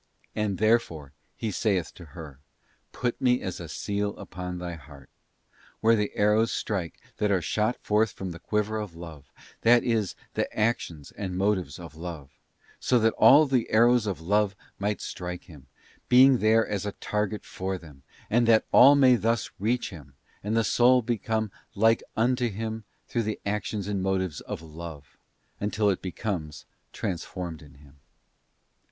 And therefore He saith to her, 'Put Me as a ; seal upon thy heart't— where the arrows strike that are shot forth from the quiver of love, that is, the actions and motives of love —so that all the arrows of love might ; strike Him, being there as a target for them, and that all | may thus reach Him, and the soul become like unto Him through the actions and motions of love until it becomes transformed in Him.